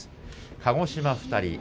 鹿児島が２人。